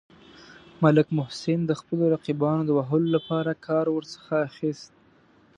ملک محسن د خپلو رقیبانو د وهلو لپاره کار ورڅخه اخیست.